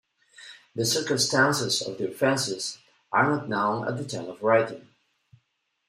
The circumstances of the offences are not known at the time of writing.